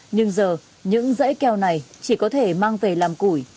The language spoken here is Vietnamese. nhưng giờ những dãy keo này chỉ có thể mang về làm củi